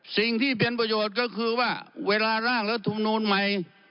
สิ่งที่เป็นประโยชน์ก็คือว่าเวลาร่างรัฐมนูลใหม่